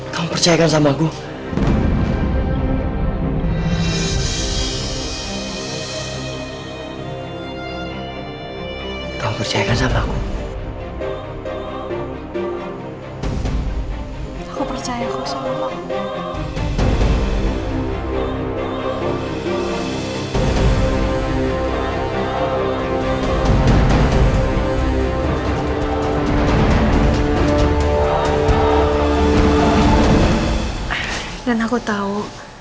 kamu percayakan sama aku